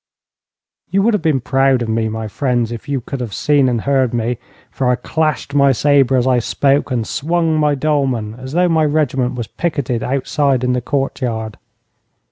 You would have been proud of me, my friends, if you could have seen and heard me, for I clashed my sabre as I spoke, and swung my dolman as though my regiment was picketed outside in the courtyard.